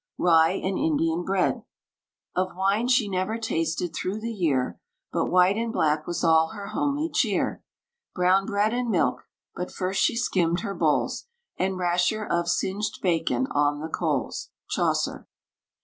RYE AND INDIAN BREAD. Of wine she never tasted through the year, But white and black was all her homely cheer, Brown bread and milk (but first she skimmed her bowls), And rasher of singed bacon on the coals. CHAUCER.